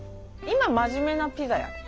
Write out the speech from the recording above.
今真面目なピザや。